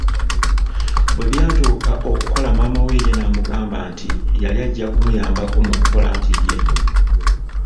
Bwe byatuuka okukoola maama we namugamba nti yali ajja kumuyambako mu kukoola anti ye